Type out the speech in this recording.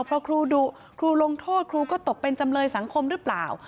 เพราะครูดุครูลงโทษครูก็ตกเป็นจำเลยสังคมหรือเปล่า